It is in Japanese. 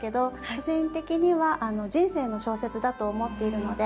個人的には人生の小説だと思っているので。